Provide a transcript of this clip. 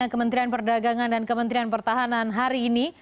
kementerian perdagangan dan kementerian pertahanan hari ini